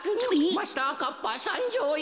・「マスターカッパーさんじょうよ」